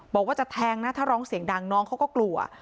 บอกว่าจะแทงนะถ้าร้องเสียงดังน้องเขาก็กลัว